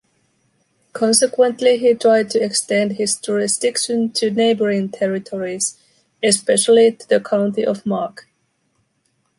Consequently, he tried to extend his jurisdiction to neighboring territories, especially to the county of Mark.